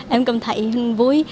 em cảm thấy vui